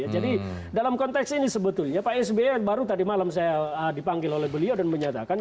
jadi dalam konteks ini sebetulnya pak sby baru tadi malam saya dipanggil oleh beliau dan menyatakan